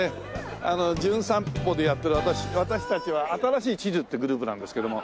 あの『じゅん散歩』でやってる私たちは新しい地図ってグループなんですけども。